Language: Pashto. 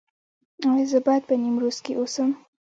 ایا زه باید په نیمروز کې اوسم؟